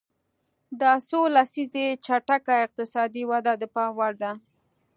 دا څو لسیزې چټکه اقتصادي وده د پام وړ ده.